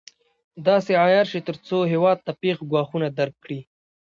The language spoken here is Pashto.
داسې عیار شي تر څو هېواد ته پېښ ګواښونه درک کړي.